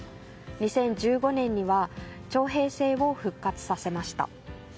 ２０１５年には徴兵制を復活させました。